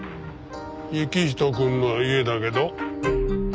行人くんの家だけど。